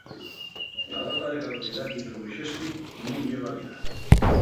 La data de caducidá qu'introduxesti nun ye válida.